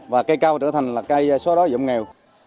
và cây cao trở thành là cây xóa đói giảm nghèo